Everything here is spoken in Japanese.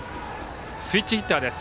スイッチヒッターです。